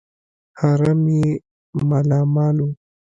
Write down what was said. حرم یې مالامال وو.